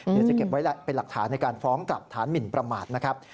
เดี๋ยวจะเก็บไว้เป็นหลักฐานในการฟ้องกลับฐานหมินประมาทนะครับ